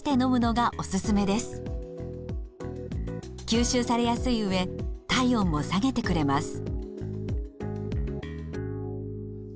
吸収されやすいうえ体温も下げてくれます。